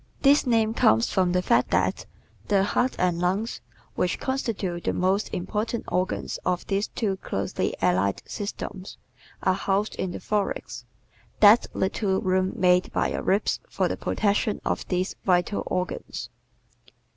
¶ This name comes from the fact that the heart and lungs (which constitute the most important organs of these two closely allied systems) are housed in the thorax that little room made by your ribs for the protection of these vital organs.